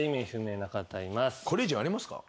これ以上ありますか？